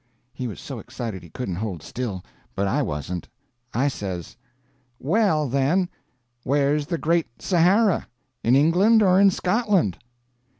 He was so excited he couldn't hold still; but I wasn't. I says: "Well, then, where's the Great Sahara? In England or in Scotland?"